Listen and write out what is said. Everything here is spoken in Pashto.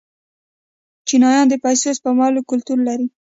چینایان د پیسو سپمولو کلتور لري.